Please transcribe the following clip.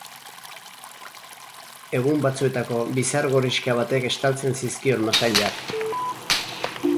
Egun batzuetako bizar gorrixka batek estaltzen zizkion masailak.